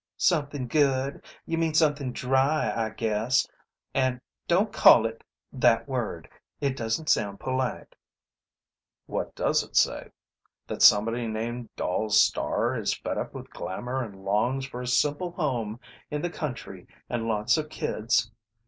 "Something good? You mean something dry, I guess. And don't call it ... that word. It doesn't sound polite." "What does it say? That somebody named Doll Starr is fed up with glamor and longs for a simple home in the country and lots of kids?